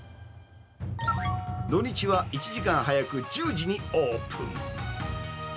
土日は１時間早く１０時にオープン。